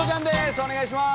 お願いします。